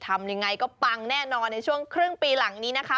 ทำยังไงก็ปังแน่นอนในช่วงครึ่งปีหลังนี้นะคะ